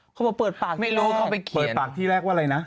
เขาบอกเปิดปากไม่รู้เขาไปเปิดปากที่แรกว่าอะไรนะ